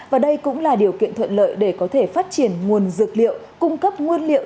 và đây cũng là điều kiện thuận lợi để có thể phát triển nguồn dược liệu